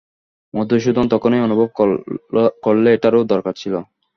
মধুসূদন তখনই অনুভব করলে এটারও দরকার ছিল।